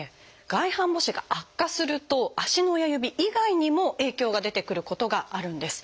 外反母趾が悪化すると足の親指以外にも影響が出てくることがあるんです。